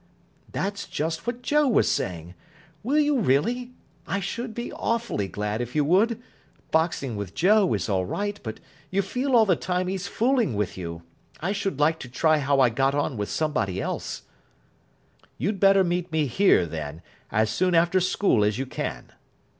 "That's just what Joe was saying. Will you really? I should be awfully glad if you would. Boxing with Joe is all right, but you feel all the time he's fooling with you. I should like to try how I got on with somebody else." "You'd better meet me here, then, as soon after school as you can."